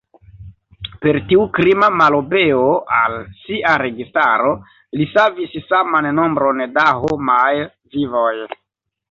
Per tiu "krima" malobeo al sia registaro li savis saman nombron da homaj vivoj.